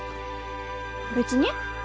別に。